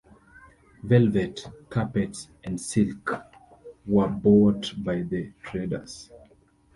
Velvet, carpets, and silk were bought by the traders.